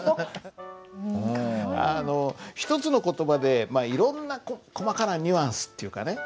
あの一つの言葉でいろんな細かなニュアンスっていうかね